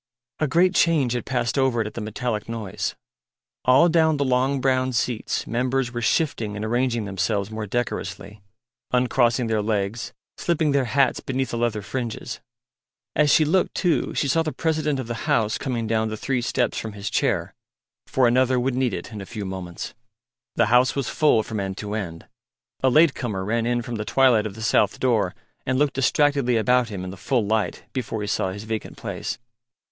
A great change had passed over it at the metallic noise. All down the long brown seats members were shifting and arranging themselves more decorously, uncrossing their legs, slipping their hats beneath the leather fringes. As she looked, too, she saw the President of the House coming down the three steps from his chair, for Another would need it in a few moments. The house was full from end to end; a late comer ran in from the twilight of the south door and looked distractedly about him in the full light before he saw his vacant place.